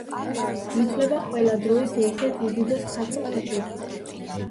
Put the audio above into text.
ითვლება ყველა დროის ერთ-ერთ უდიდეს ქართველ ფეხბურთელად.